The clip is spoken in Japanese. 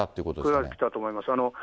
崩れてきたと思います。